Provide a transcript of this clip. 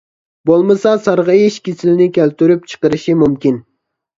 بولمىسا سارغىيىش كېسىلىنى كەلتۈرۈپ چىقىرىشى مۇمكىن.